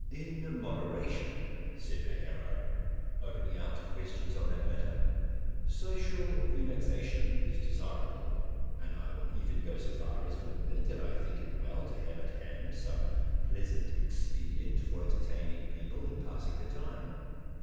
"In moderation," said Bagarrow, opening out to questions on that matter, "social relaxation is desirable, and I will even go so far as to admit that I think it well to have at hand some pleasant expedient for entertaining people and passing the time.